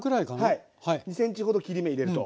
はい２ｃｍほど切り目入れると。